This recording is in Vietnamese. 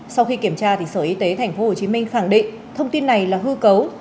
sau khi kiểm tra sở y tế tp hcm khẳng định thông tin này là hư cấu